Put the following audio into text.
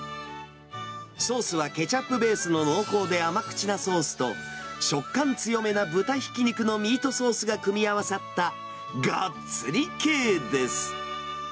ソースはケチャップベースの濃厚で甘口なソースと、食感強めな豚ひき肉のミートソースが組み合わさった、がっつり系です。